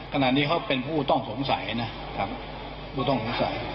ขณะนี้เขาเป็นผู้ต้องสงสัยนะครับผู้ต้องสงสัย